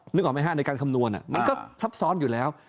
นึกออกไหมฮะในการคำนวณมันก็ซับซ้อนอยู่แล้ว